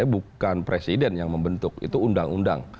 bukan presiden yang membentuk itu undang undang